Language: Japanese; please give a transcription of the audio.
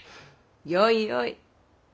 よいよい。